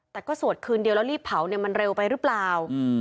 แต่ก็สวดคืนเดียวแล้วรีบเผาเนี่ยมันเร็วไปหรือเปล่า